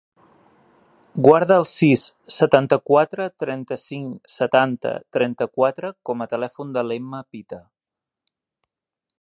Guarda el sis, setanta-quatre, trenta-cinc, setanta, trenta-quatre com a telèfon de l'Emma Pita.